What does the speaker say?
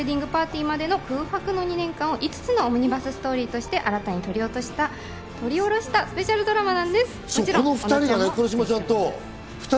船上ウエディングパーティーまでの空白の２年間を５つのオムニバスストーリーとして新たに撮り下ろしたスペシャルドラマなんです。